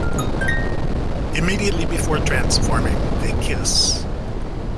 Immediately before transforming, they kiss.